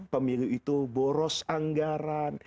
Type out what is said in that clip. pemilu itu boros anggaran